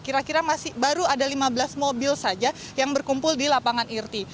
kira kira masih baru ada lima belas mobil saja yang berkumpul di lapangan irti